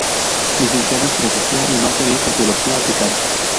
Licenciado en Filosofía y máster en Sociología aplicada.